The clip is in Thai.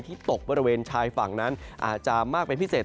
ตกบริเวณชายฝั่งนั้นอาจจะมากเป็นพิเศษ